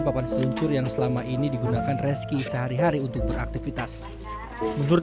papan seluncur yang selama ini digunakan reski sehari hari untuk beraktivitas menurut